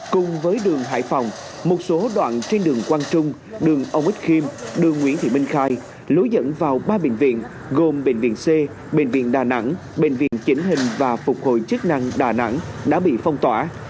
cùng với đường hải phòng một số đoạn trên đường quang trung đường ông ích kim đường nguyễn thị minh khai lối dẫn vào ba bệnh viện gồm bệnh viện c bệnh viện đà nẵng bệnh viện chỉnh hình và phục hồi chức năng đà nẵng đã bị phong tỏa